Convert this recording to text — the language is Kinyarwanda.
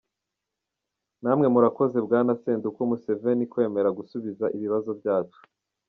Namwe murakoze Bwana Sendugu Museveni kwemera gusubiza ibibazo byacu.